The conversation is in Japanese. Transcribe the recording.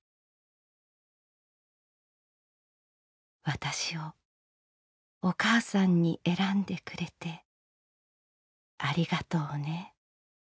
「私をお母さんに選んでくれてありがとうね」。